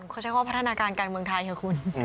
เขาใช้คำว่าพัฒนาการการเมืองไทยค่ะคุณ